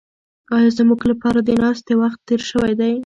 ایا زموږ لپاره د ناستې وخت تېر شوی دی؟